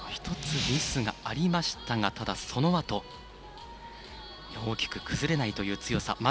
１つミスがありましたがただ、そのあと大きく崩れないという強さ。